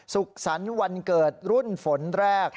สุขสรรค์วันเกิดรุ่นฝนแรก